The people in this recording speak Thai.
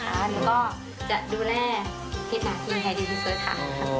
หรือว่าจะดูแลทีมไฮดิวที่เสิร์ชค่ะ